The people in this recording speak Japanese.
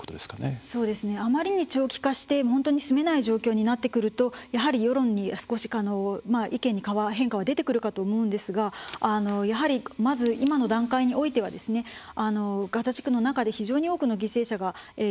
あまりに長期化して本当に住めない状況になってくるとやはり世論の意見に変化は出てくるかと思うんですがやはりまず今の段階においてはガザ地区の中で非常に多くの犠牲者が出ていること。